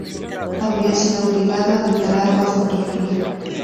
Habría sido obligado a declarar bajo tortura.